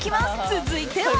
続いては。